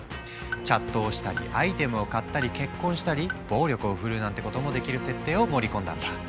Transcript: チャットをしたりアイテムを買ったり結婚したり暴力を振るうなんてこともできる設定を盛り込んだんだ。